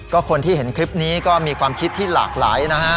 ก็คนที่เห็นคลิปนี้ก็มีความคิดที่หลากหลายนะฮะ